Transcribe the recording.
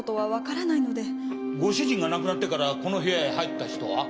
ご主人が亡くなってからこの部屋へ入った人は？